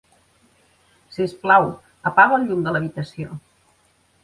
Sisplau, apaga el llum de l'habitació.